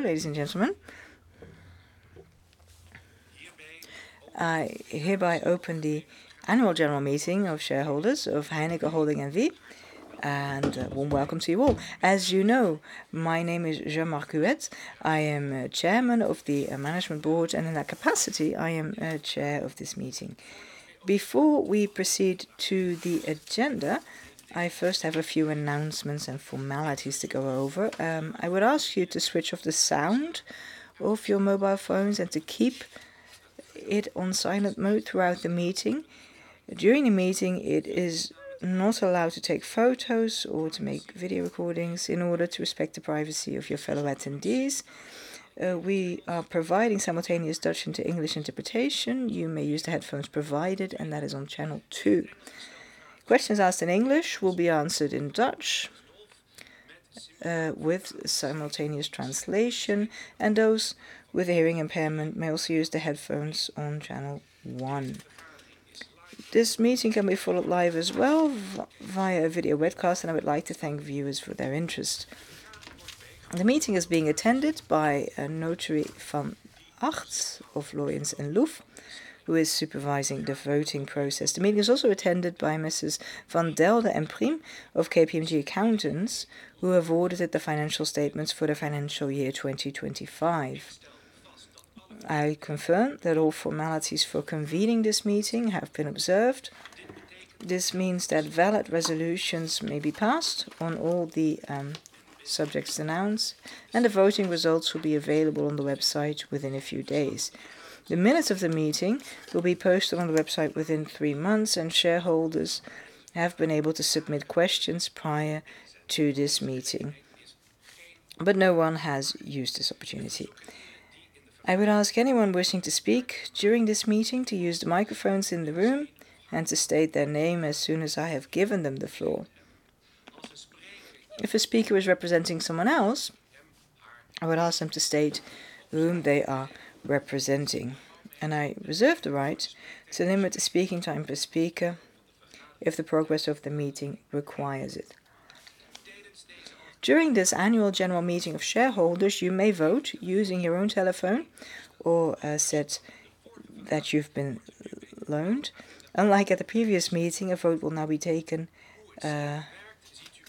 Hello, ladies and gentlemen. I hereby open the annual general meeting of shareholders of Heineken Holding N.V., and a warm welcome to you all. As you know, my name is Jean-Marc Huët. I am Chairman of the Management Board, and in that capacity I am Chair of this meeting. Before we proceed to the agenda, I first have a few announcements and formalities to go over. I would ask you to switch off the sound of your mobile phones and to keep it on silent mode throughout the meeting. During the meeting, it is not allowed to take photos or to make video recordings in order to respect the privacy of your fellow attendees. We are providing simultaneous Dutch into English interpretation. You may use the headphones provided, and that is on channel two. Questions asked in English will be answered in Dutch, with simultaneous translation, and those with a hearing impairment may also use the headphones on channel one. This meeting can be followed live as well via video webcast, and I would like to thank viewers for their interest. The meeting is being attended by Notary van Acht of Loyens & Loeff, who is supervising the voting process. The meeting is also attended by Messrs. Van Delden and Priem of KPMG Accountants, who have audited the financial statements for the financial year 2025. I confirm that all formalities for convening this meeting have been observed. This means that valid resolutions may be passed on all the subjects announced, and the voting results will be available on the website within a few days. The minutes of the meeting will be posted on the website within three months, and shareholders have been able to submit questions prior to this meeting, but no one has used this opportunity. I would ask anyone wishing to speak during this meeting to use the microphones in the room and to state their name as soon as I have given them the floor. If a speaker is representing someone else, I would ask them to state whom they are representing, and I reserve the right to limit the speaking time of a speaker if the progress of the meeting requires it. During this annual general meeting of shareholders, you may vote using your own telephone or a set that you've been loaned. Unlike at the previous meeting, a vote will now be taken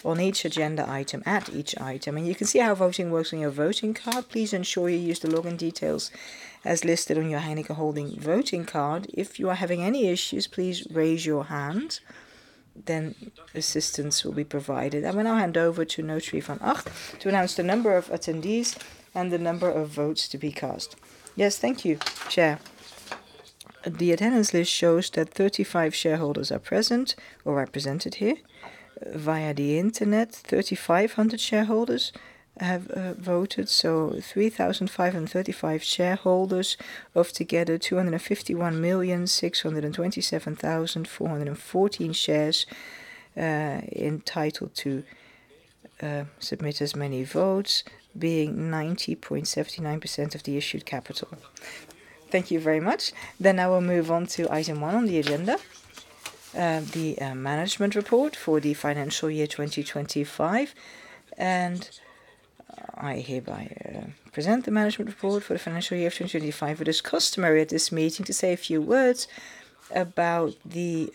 on each agenda item, at each item, and you can see how voting works on your voting card. Please ensure you use the login details as listed on your Heineken Holding voting card. If you are having any issues, please raise your hand, then assistance will be provided. I will now hand over to Notary van Acht to announce the number of attendees and the number of votes to be cast. Yes, thank you, Chair. The attendance list shows that 35 shareholders are present or represented here. Via the internet, 3,500 shareholders have voted, so 3,535 shareholders of together 251,627,414 shares, entitled to submit as many votes, being 90.79% of the issued capital. Thank you very much. I will move on to item one on the agenda, the management report for the financial year 2025, and I hereby present the management report for the financial year 2025. It is customary at this meeting to say a few words about the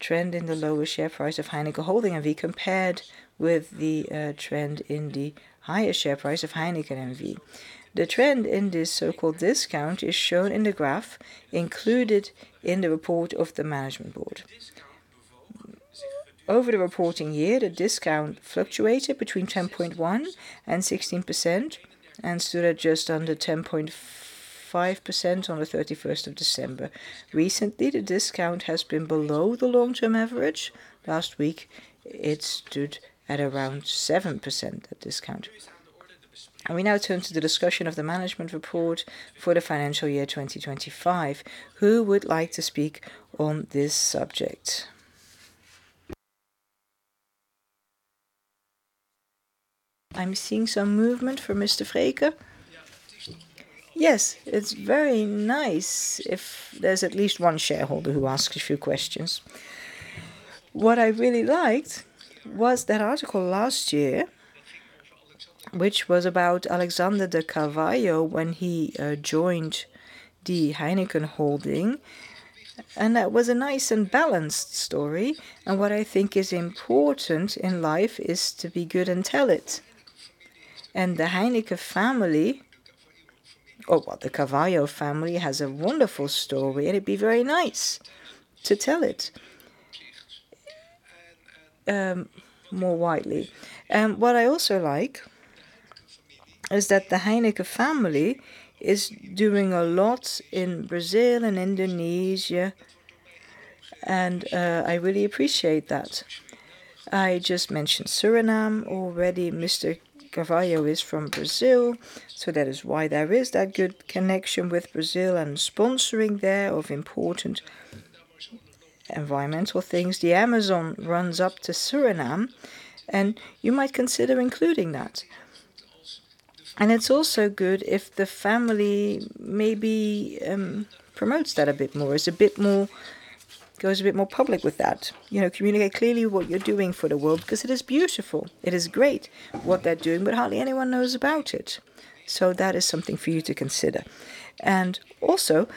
trend in the lower share price of Heineken Holding N.V. compared with the trend in the higher share price of Heineken N.V. The trend in this so-called discount is shown in the graph included in the report of the management board. Over the reporting year, the discount fluctuated between 10.1%-16% and stood at just under 10.5% on the December 31st. Recently, the discount has been below the long-term average. Last week, it stood at around 7%, the discount. We now turn to the discussion of the management report for the financial year 2025. Who would like to speak on this subject? I'm seeing some movement from Mr. Vreeken. Yes, it's very nice if there's at least one shareholder who asks a few questions. What I really liked was that article last year, which was about Alexander de Carvalho when he joined the Heineken Holding, and that was a nice and balanced story. What I think is important in life is to be good and tell it. The Heineken family, or, well, the Carvalho family, has a wonderful story, and it'd be very nice to tell it more widely. What I also like is that the Heineken family is doing a lot in Brazil and Indonesia, and I really appreciate that. I just mentioned Suriname already. Mr. de Carvalho is from Brazil, so that is why there is that good connection with Brazil and sponsoring there of important environmental things. The Amazon runs up to Suriname, and you might consider including that. It's also good if the family maybe promotes that a bit more, goes a bit more public with that. Communicate clearly what you're doing for the world, because it is beautiful. It is great what they're doing, but hardly anyone knows about it. That is something for you to consider. Also,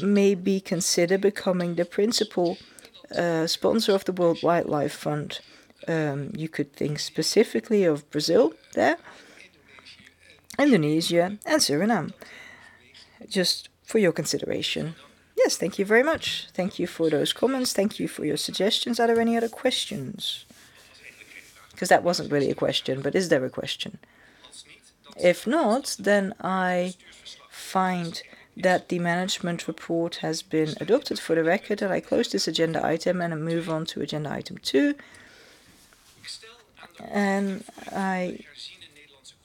maybe consider becoming the principal sponsor of the World Wildlife Fund. You could think specifically of Brazil there, Indonesia, and Suriname. Just for your consideration. Yes. Thank you very much. Thank you for those comments. Thank you for your suggestions. Are there any other questions? Because that wasn't really a question, but is there a question? If not, then I find that the management report has been adopted for the record, and I close this agenda item and move on to agenda item two. I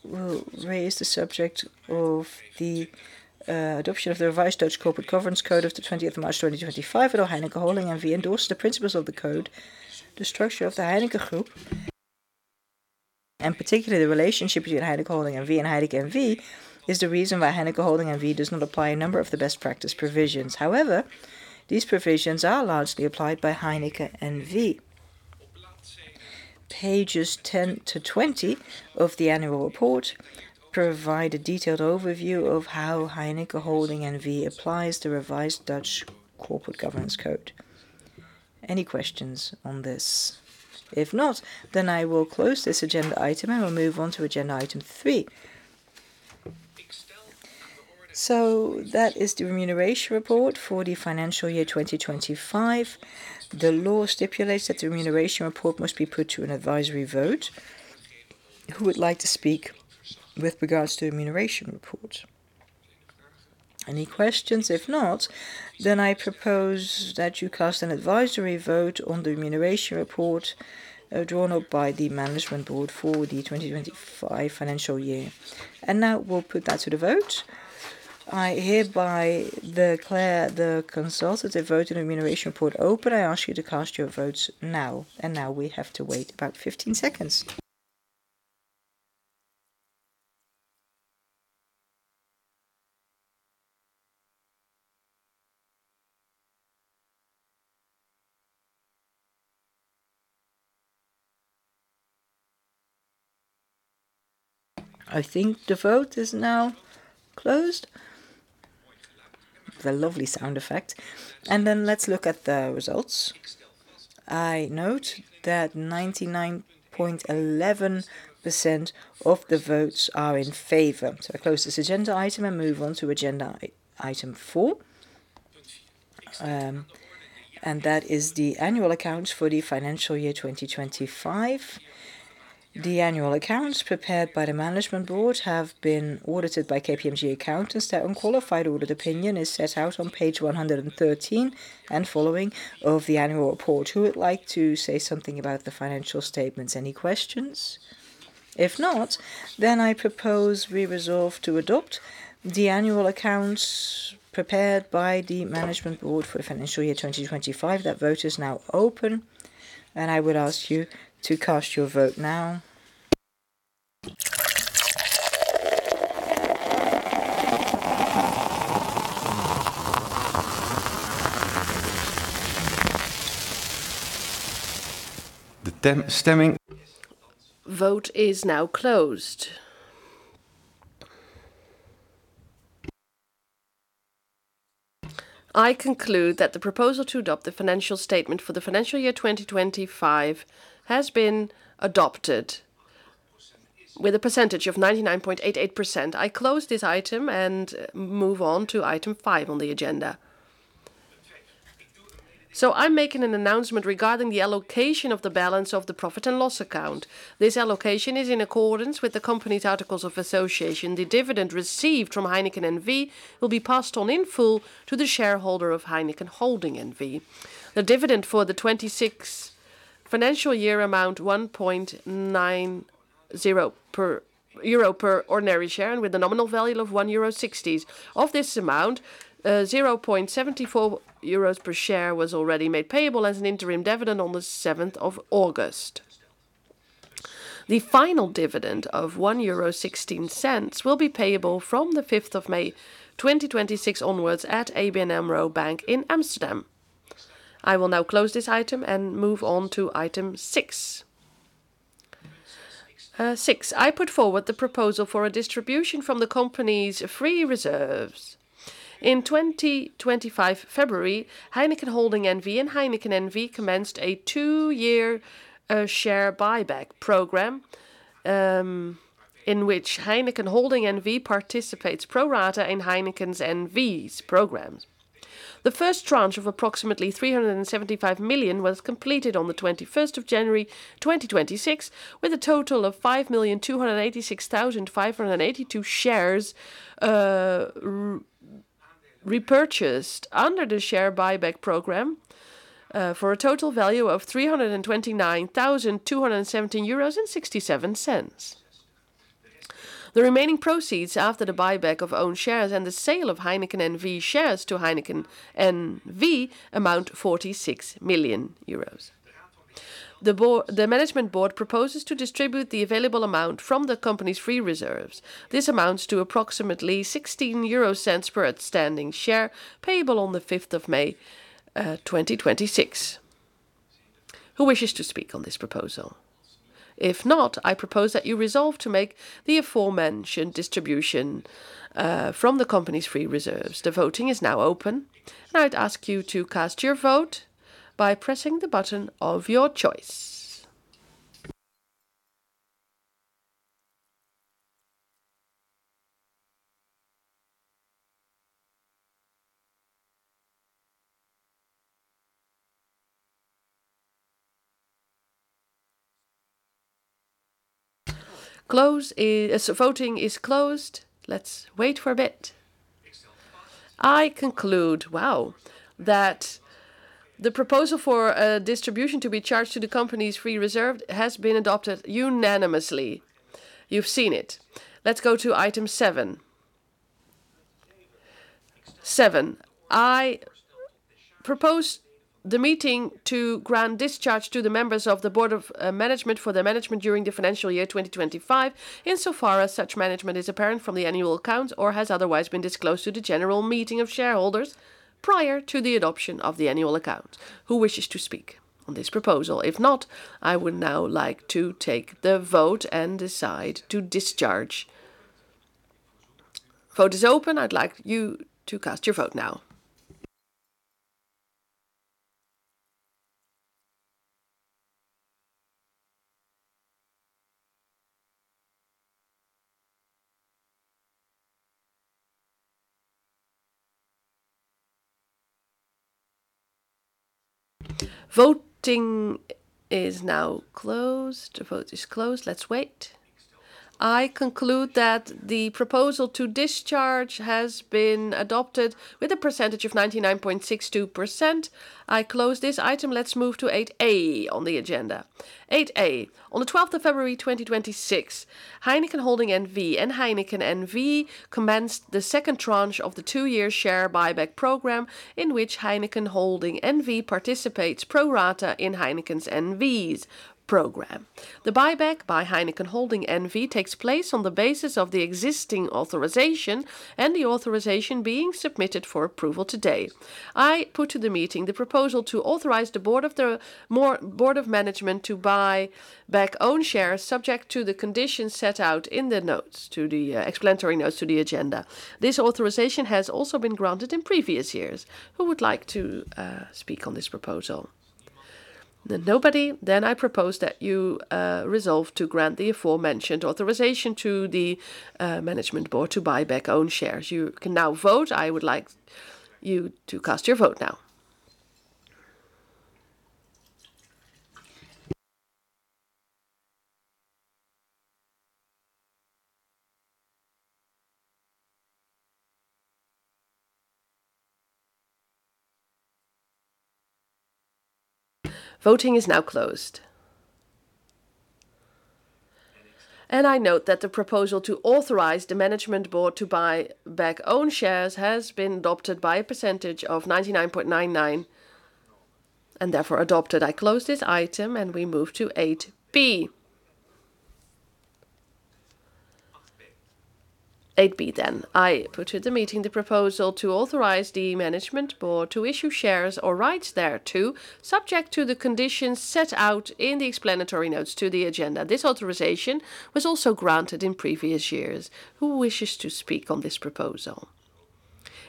will raise the subject of the adoption of the revised Dutch Corporate Governance Code of March 20th, 2025, and how Heineken Holding N.V. endorsed the principles of the code. The structure of the Heineken Group, and particularly the relationship between Heineken Holding N.V. and Heineken N.V., is the reason why Heineken Holding N.V. does not apply a number of the best practice provisions. However, these provisions are largely applied by Heineken N.V. Pages 10-20 of the annual report provide a detailed overview of how Heineken Holding N.V. applies the revised Dutch Corporate Governance Code. Any questions on this? If not, then I will close this agenda item and we'll move on to agenda item three. That is the remuneration report for the financial year 2025. The law stipulates that the remuneration report must be put to an advisory vote. Who would like to speak with regards to the remuneration report? Any questions? If not, then I propose that you cast an advisory vote on the remuneration report drawn up by the management board for the 2025 financial year. Now we'll put that to the vote. I hereby declare the advisory vote on the remuneration report open. I ask you to cast your votes now. Now we have to wait about 15 seconds. I think the vote is now closed. With a lovely sound effect. Then let's look at the results. I note that 99.11% of the votes are in favor. I close this agenda item and move on to agenda item four. That is the annual accounts for the financial year 2025. The annual accounts prepared by the management board have been audited by KPMG Accountants. Their unqualified audit opinion is set out on page 113 and following of the annual report. Who would like to say something about the financial statements? Any questions? If not, then I propose we resolve to adopt the annual accounts prepared by the management board for the financial year 2025. That vote is now open, and I would ask you to cast your vote now. The stemming- Vote is now closed. I conclude that the proposal to adopt the financial statement for the financial year 2025 has been adopted with a percentage of 99.88%. I close this item and move on to item five on the agenda. I'm making an announcement regarding the allocation of the balance of the profit and loss account. This allocation is in accordance with the company's articles of association. The dividend received from Heineken N.V. will be passed on in full to the shareholder of Heineken Holding N.V. The dividend for the 2026 financial year amount 1.90 euro per ordinary share, and with a nominal value of 1.60 euro. Of this amount, 0.74 euros per share was already made payable as an interim dividend on August 7th. The final dividend of 1.16 euro will be payable from the 5th of May 2026 onwards at ABN AMRO Bank in Amsterdam. I will now close this item and move on to item six. Six. I put forward the proposal for a distribution from the company's free reserves. In February 2025, Heineken Holding N.V. and Heineken N.V. commenced a two-year share buyback program, in which Heineken Holding N.V. participates pro rata in Heineken N.V.'s programs. The first tranche of approximately 375 million was completed on January 21st 2026, with a total of 5,286,582 shares repurchased under the share buyback program for a total value of 329,217.67 euros. The remaining proceeds after the buyback of own shares and the sale of Heineken N.V. shares to Heineken N.V. amount to 46 million euros. The management board proposes to distribute the available amount from the company's free reserves. This amounts to approximately 0.16 per outstanding share, payable on May 5th, 2026. Who wishes to speak on this proposal? If not, I propose that you resolve to make the aforementioned distribution from the company's free reserves. The voting is now open. Now I'd ask you to cast your vote by pressing the button of your choice. Voting is closed. Let's wait for a bit. I conclude, wow, that the proposal for distribution to be charged to the company's free reserve has been adopted unanimously. You've seen it. Let's go to item seven. Seven. I propose the meeting to grant discharge to the members of the Board of Management for their management during the financial year 2025, insofar as such management is apparent from the annual accounts or has otherwise been disclosed to the general meeting of shareholders prior to the adoption of the annual account. Who wishes to speak on this proposal? If not, I would now like to take the vote and decide to discharge. Vote is open. I'd like you to cast your vote now. Voting is now closed. The vote is closed. Let's wait. I conclude that the proposal to discharge has been adopted with 99.62%. I close this item. Let's move to 8A on the agenda. 8A. On the 12th of February 2026, Heineken Holding N.V. and Heineken N.V. commenced the second tranche of the two-year share buyback program, in which Heineken Holding N.V. participates pro rata in Heineken N.V.'s program. The buyback by Heineken Holding N.V. takes place on the basis of the existing authorization and the authorization being submitted for approval today. I put to the meeting the proposal to authorize the board of management to buy back own shares, subject to the conditions set out in the explanatory notes to the agenda. This authorization has also been granted in previous years. Who would like to speak on this proposal? Nobody? Then I propose that you resolve to grant the aforementioned authorization to the management board to buy back own shares. You can now vote. I would like you to cast your vote now. Voting is now closed. I note that the proposal to authorize the management board to buy back own shares has been adopted by 99.99%, and therefore adopted. I close this item and we move to 8B. 8B then. I put to the meeting the proposal to authorize the management board to issue shares or rights thereto, subject to the conditions set out in the explanatory notes to the agenda. This authorization was also granted in previous years. Who wishes to speak on this proposal?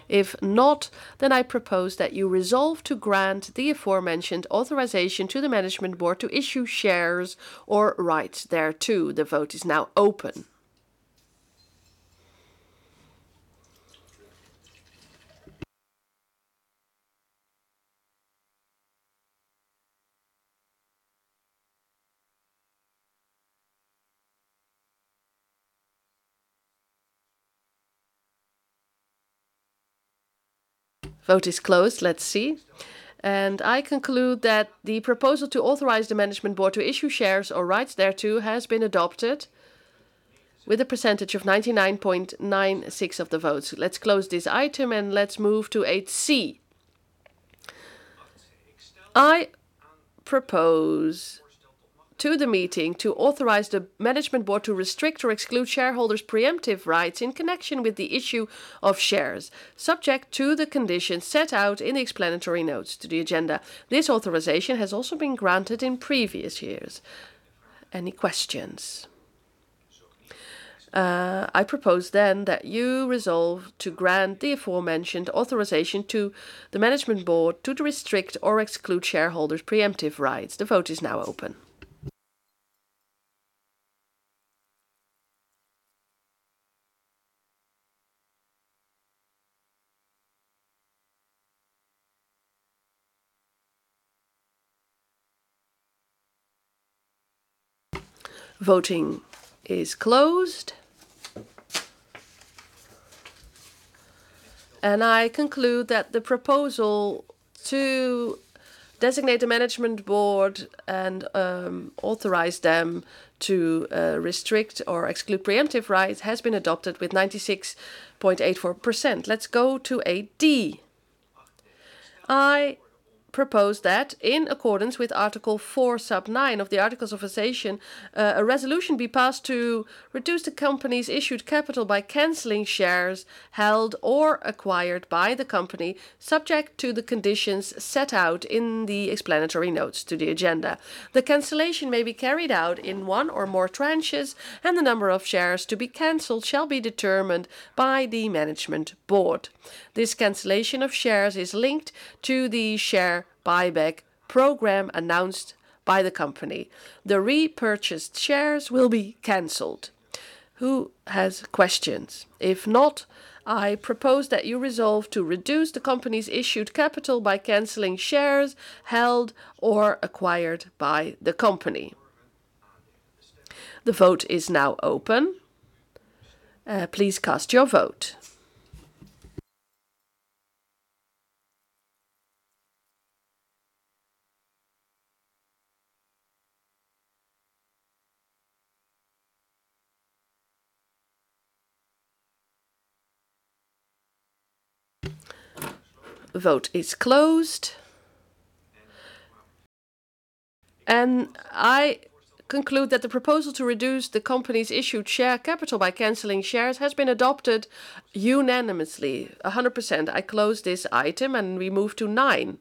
If not, then I propose that you resolve to grant the aforementioned authorization to the management board to issue shares or rights thereto. The vote is now open. Vote is closed. Let's see. I conclude that the proposal to authorize the management board to issue shares or rights thereto has been adopted with 99.96% of the votes. Let's close this item and let's move to 8C. I propose to the meeting to authorize the management board to restrict or exclude shareholders' preemptive rights in connection with the issue of shares, subject to the conditions set out in the explanatory notes to the agenda. This authorization has also been granted in previous years. Any questions? I propose then that you resolve to grant the aforementioned authorization to the management board to restrict or exclude shareholders' preemptive rights. The vote is now open. Voting is closed. I conclude that the proposal to designate the management board and authorize them to restrict or exclude preemptive rights has been adopted with 96.84%. Let's go to item 8. I propose that in accordance with Article 4 sub-9 of the Articles of Association, a resolution be passed to reduce the company's issued capital by canceling shares held or acquired by the company, subject to the conditions set out in the explanatory notes to the agenda. The cancellation may be carried out in one or more tranches, and the number of shares to be canceled shall be determined by the management board. This cancellation of shares is linked to the share buyback program announced by the company. The repurchased shares will be canceled. Who has questions? If not, I propose that you resolve to reduce the company's issued capital by canceling shares held or acquired by the company. The vote is now open. Please cast your vote. The vote is closed. I conclude that the proposal to reduce the company's issued share capital by canceling shares has been adopted unanimously, 100%. I close this item and we move to nine.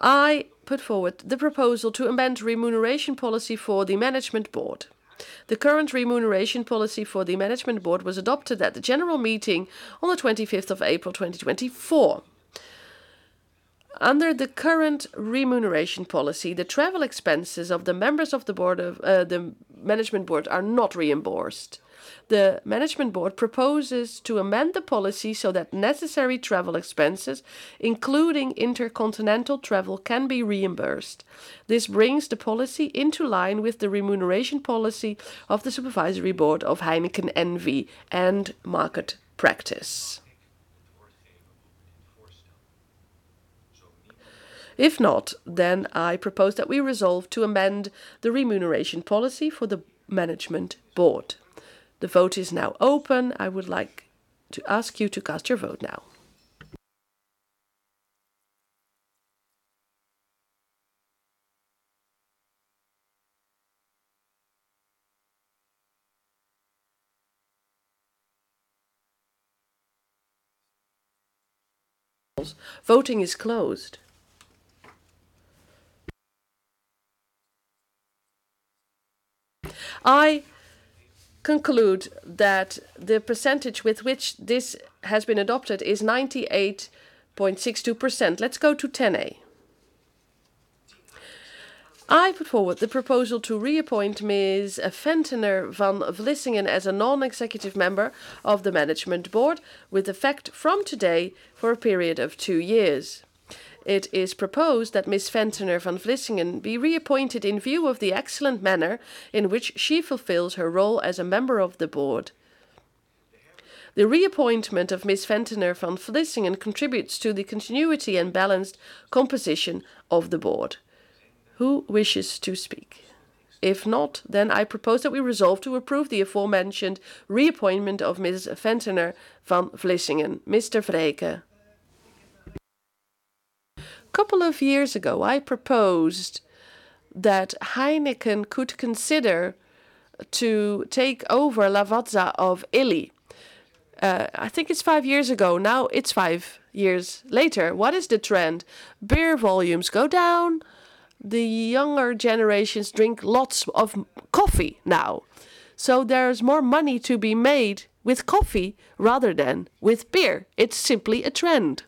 I put forward the proposal to amend remuneration policy for the management board. The current remuneration policy for the management board was adopted at the general meeting on the 25th of April, 2024. Under the current remuneration policy, the travel expenses of the members of the management board are not reimbursed. The management board proposes to amend the policy so that necessary travel expenses, including intercontinental travel, can be reimbursed. This brings the policy into line with the remuneration policy of the supervisory board of Heineken N.V. and market practice. If not, then I propose that we resolve to amend the remuneration policy for the management board. The vote is now open. I would like to ask you to cast your vote now. Voting is closed. I conclude that the percentage with which this has been adopted is 98.62%. Let's go to 10-A. I put forward the proposal to reappoint Ms. Fentener van Vlissingen as a non-executive member of the management board with effect from today for a period of two years. It is proposed that Ms. Fentener van Vlissingen be reappointed in view of the excellent manner in which she fulfills her role as a member of the board. The reappointment of Ms. Fentener van Vlissingen contributes to the continuity and balanced composition of the board. Who wishes to speak? If not, then I propose that we resolve to approve the aforementioned reappointment of Ms. Fentener van Vlissingen. Mr. Vreeken. A couple of years ago, I proposed that Heineken could consider taking over Lavazza or Illy. I think it's five years ago. Now, it's five years later. What is the trend? Beer volumes go down. The younger generations drink lots of coffee now. There's more money to be made with coffee rather than with beer. It's simply a trend.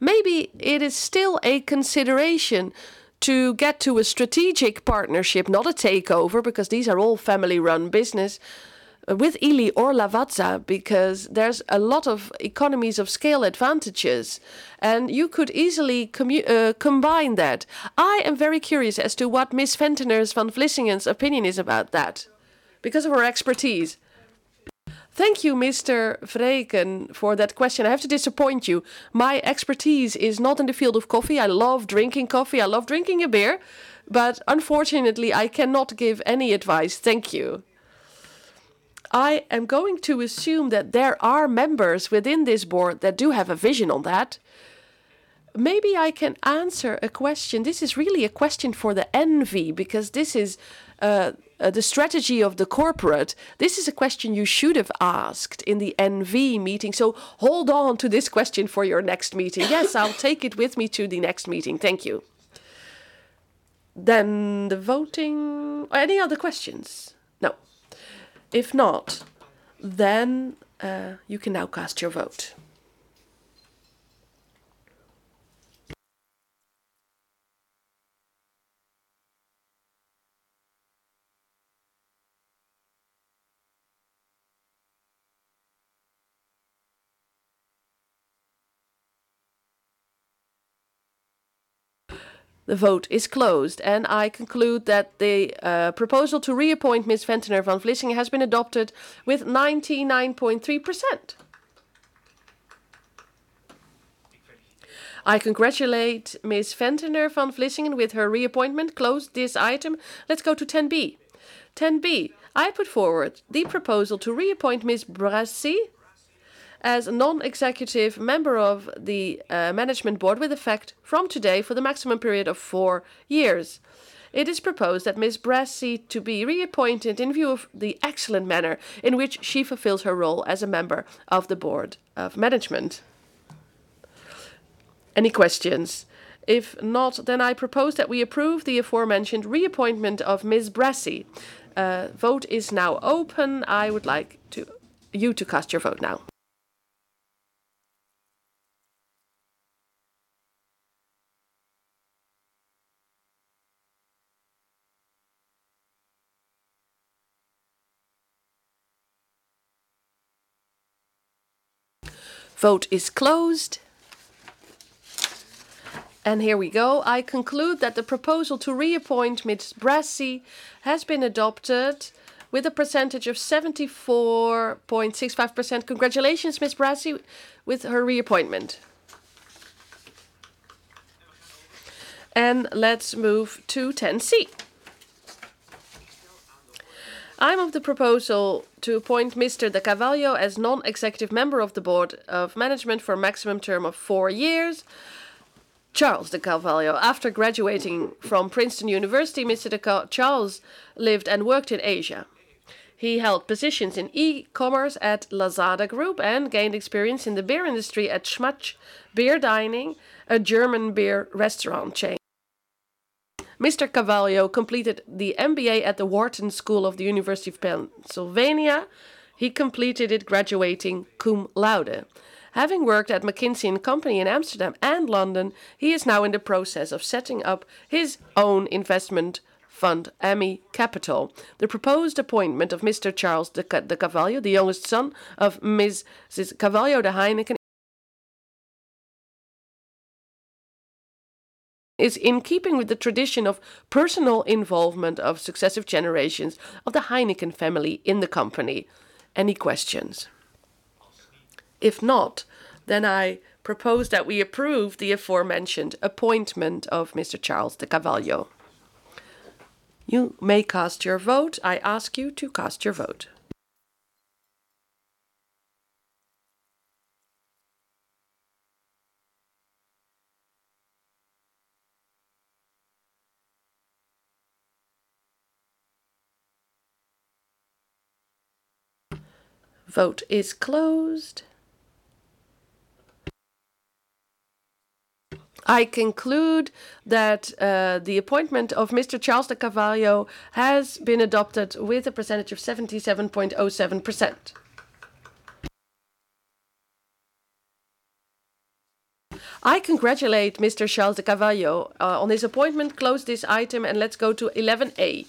Maybe it is still a consideration to get to a strategic partnership, not a takeover, because these are all family-run businesses, with Illy or Lavazza, because there's a lot of economies of scale advantages, and you could easily combine that. I am very curious as to what Ms. Fentener van Vlissingen's opinion is about that. Because of her expertise. Thank you, Mr. Vreeken, for that question. I have to disappoint you. My expertise is not in the field of coffee. I love drinking coffee. I love drinking a beer. Unfortunately, I cannot give any advice. Thank you. I am going to assume that there are members within this board that do have a vision on that. Maybe I can answer a question. This is really a question for the NV, because this is the strategy of the corporate. This is a question you should have asked in the NV meeting. Hold on to this question for your next meeting. Yes, I'll take it with me to the next meeting. Thank you. The voting. Any other questions? No. If not, you can now cast your vote. The vote is closed, and I conclude that the proposal to reappoint Ms. Fentener van Vlissingen has been adopted with 99.3%. I congratulate Ms. Fentener van Vlissingen with her reappointment. Close this item. Let's go to 10B. 10B, I put forward the proposal to reappoint Ms. Brassey as non-executive member of the Management Board with effect from today for the maximum period of four years. It is proposed that Ms. Brassey to be reappointed in view of the excellent manner in which she fulfills her role as a member of the Board of Management. Any questions? If not, then I propose that we approve the aforementioned reappointment of Ms. Brassey. Vote is now open. I would like you to cast your vote now. Vote is closed. Here we go. I conclude that the proposal to reappoint Ms. Brassey has been adopted with a percentage of 74.65%. Congratulations, Ms. Brassey, with her reappointment. Let's move to 10C. Item of the proposal to appoint Mr. de Carvalho as non-executive member of the Board of Management for a maximum term of four years. Charles de Carvalho. After graduating from Princeton University, Mr. Charles de Carvalho lived and worked in Asia. He held positions in e-commerce at Lazada Group and gained experience in the beer industry at SCHMATZ Beer Dining, a German beer restaurant chain. Mr. de Carvalho completed the MBA at the Wharton School of the University of Pennsylvania. He completed it graduating cum laude. Having worked at McKinsey & Company in Amsterdam and London, he is now in the process of setting up his own investment fund, Emmy Capital. The proposed appointment of Mr. Charles de Carvalho, the youngest son of Ms. de Carvalho-Heineken, is in keeping with the tradition of personal involvement of successive generations of the Heineken family in the company. Any questions? If not, then I propose that we approve the aforementioned appointment of Mr. Charles de Carvalho. You may cast your vote. I ask you to cast your vote. Vote is closed. I conclude that the appointment of Mr. Charles de Carvalho has been adopted with a percentage of 77.07%. I congratulate Mr. Charles de Carvalho on his appointment, close this item and let's go to 11A.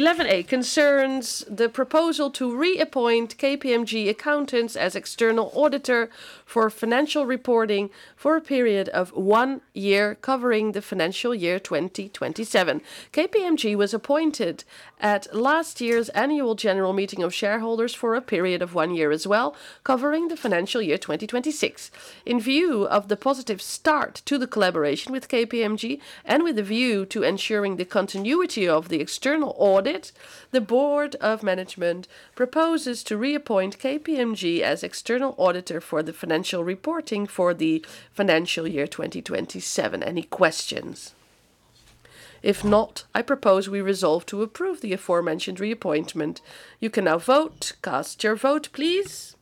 11A concerns the proposal to reappoint KPMG accountants as external auditor for financial reporting for a period of one year, covering the financial year 2027. KPMG was appointed at last year's annual general meeting of shareholders for a period of one year as well, covering the financial year 2026. In view of the positive start to the collaboration with KPMG and with a view to ensuring the continuity of the external audit, the Board of Management proposes to reappoint KPMG as external auditor for the financial reporting for the financial year 2027. Any questions? If not, I propose we resolve to approve the aforementioned reappointment. You can now vote. Cast your vote, please.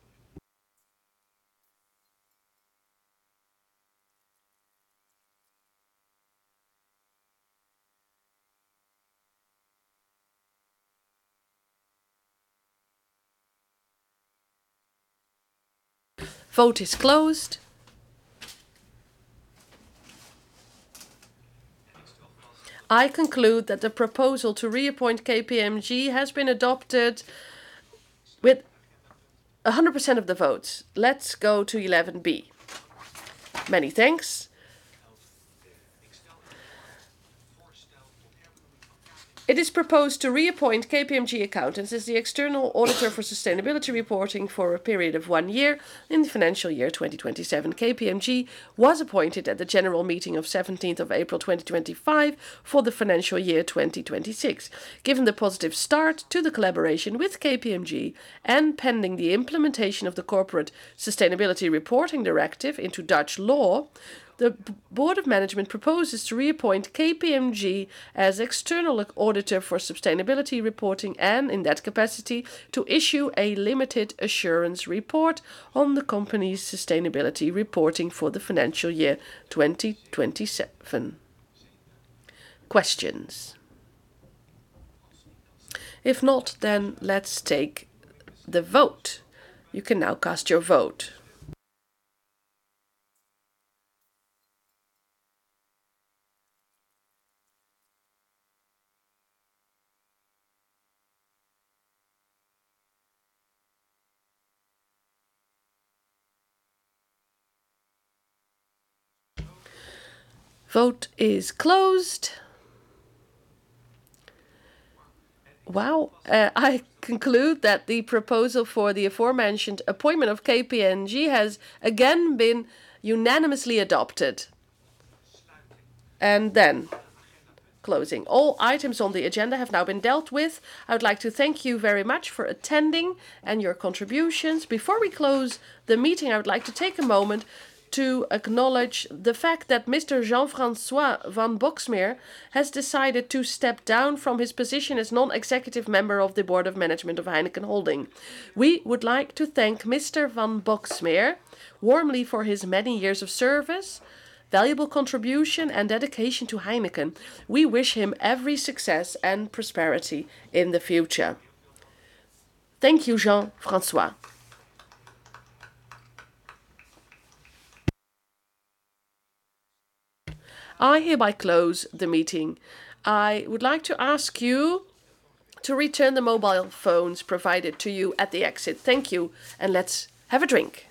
Vote is closed. I conclude that the proposal to reappoint KPMG has been adopted with 100% of the votes. Let's go to 11B. Many thanks. It is proposed to reappoint KPMG accountants as the external auditor for sustainability reporting for a period of one year in the financial year 2027. KPMG was appointed at the general meeting of 17th of April 2025 for the financial year 2026. Given the positive start to the collaboration with KPMG and pending the implementation of the Corporate Sustainability Reporting Directive into Dutch law, the Board of Management proposes to reappoint KPMG as external auditor for sustainability reporting and, in that capacity, to issue a limited assurance report on the company's sustainability reporting for the financial year 2027. Questions. If not, then let's take the vote. You can now cast your vote. Vote is closed. Wow. I conclude that the proposal for the aforementioned appointment of KPMG has again been unanimously adopted. Closing. All items on the agenda have now been dealt with. I would like to thank you very much for attending and your contributions. Before we close the meeting, I would like to take a moment to acknowledge the fact that Mr. Jean-François van Boxmeer has decided to step down from his position as non-executive member of the Board of Management of Heineken Holding. We would like to thank Mr. van Boxmeer warmly for his many years of service, valuable contribution, and dedication to Heineken. We wish him every success and prosperity in the future. Thank you, Jean-François. I hereby close the meeting. I would like to ask you to return the mobile phones provided to you at the exit. Thank you, and let's have a drink.